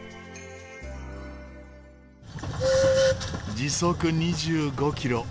時速２５キロ。